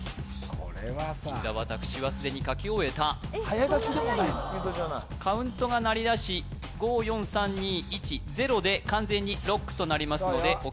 これはさ伊沢拓司はすでに書き終えた早書きでもないのにカウントが鳴りだし「５４３２１０」で完全にロックとなりますのでそうよ